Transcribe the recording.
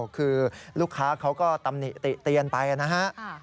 คือลูกค้าเขาก็ตำหนิติเตียนไปนะฮะ